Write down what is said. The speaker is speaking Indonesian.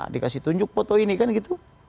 dikasih tunjuk foto ini kan gitu